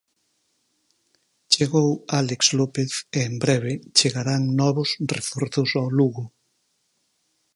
Chegou Álex López e en breve chegarán novos reforzos ao Lugo.